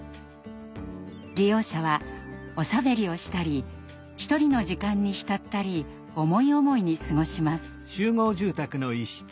利用者はおしゃべりをしたりひとりの時間に浸ったり思い思いに過ごします。